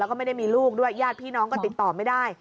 แล้วก็ไม่ได้มีลูกด้วยญาติพี่น้องก็ติดต่อไม่ได้